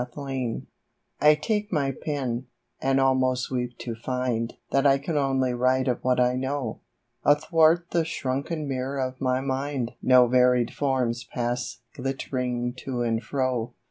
49 TO I TAKE my pen, and almost weep to find That I can only write of what I know — Athwart the shrunken mirror of my mind No varied forms pass glittering to and fro.